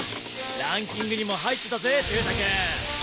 ランキングにも入ってたぜ忠太君。